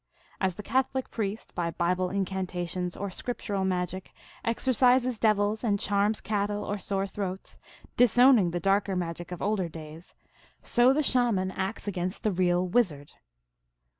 As the Catholic priest, by Bible in cantations or scriptural magic, exorcises devils and charms cattle or sore throats, disowning the darlicr magic of older days, so the Shaman acts against the real wizard.